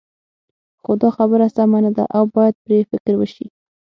خو دا خبره سمه نه ده او باید پرې فکر وشي.